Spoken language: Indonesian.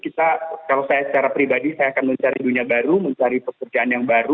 kalau saya secara pribadi saya akan mencari dunia baru mencari pekerjaan yang baru